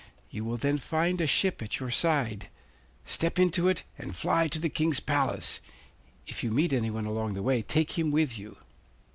You will then find a ship at your side, step into it and fly to the King's Palace. If you meet anyone on the way, take him with you.